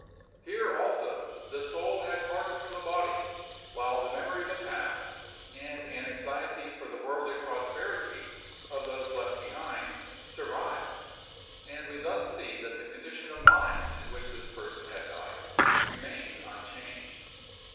Here, also, the soul had parted from the body, while the memory of the past and an anxiety for the worldly prosperity, of those left behind, survived; and we thus see that the condition of mind in which this person had died, remained unchanged.